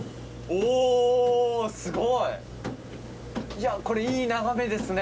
いやあこれいい眺めですね。